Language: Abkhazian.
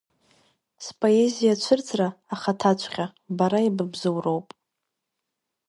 Споезиа цәырҵра, ахаҭаҵәҟьа, бара ибыбзуроуп.